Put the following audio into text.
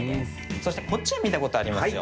そしてこっちは見たことありますよ。